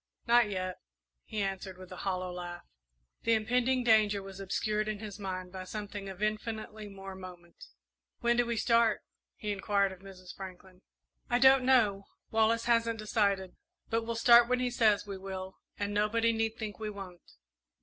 "Not yet," he answered, with a hollow laugh. The impending danger was obscured, in his mind, by something of infinitely more moment. "When do we start?" he inquired of Mrs. Franklin. "I don't know Wallace hasn't decided. But we'll start when he says we will, and nobody need think we won't!"